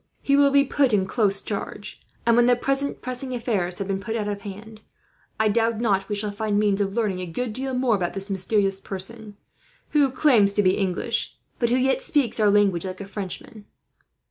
He will be placed in close charge and, when the present pressing affairs have been put out of hand, I doubt not we shall find means of learning a good deal more about this mysterious person, who claims to be English, but who yet speaks our language like a Frenchman."